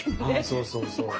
そうそうそう。